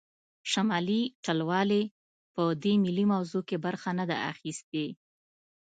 شمالي ټلوالې په دې ملي موضوع کې برخه نه ده اخیستې